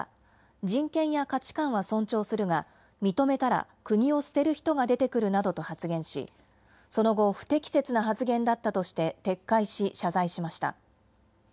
人権や価値観は尊重するが認めたら国を捨てる人が出てくるなどと発言しその後、不適切な発言だったとして撤回し謝罪しました。